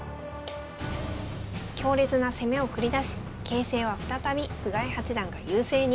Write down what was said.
強烈な攻めを繰り出し形勢は再び菅井八段が優勢に。